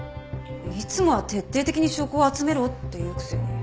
いつもは徹底的に証拠を集めろって言うくせに。